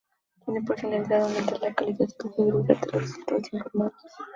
Tiene por finalidad aumentar la calidad y confiabilidad de los resultados informados.